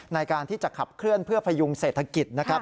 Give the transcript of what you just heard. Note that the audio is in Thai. ในการที่จะขับเคลื่อนเพื่อพยุงเศรษฐกิจนะครับ